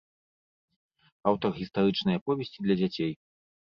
Аўтар гістарычнай аповесці для дзяцей.